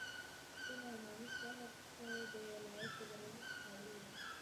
زه نعماني صاحب ته د ولايت په درجه قايل وم.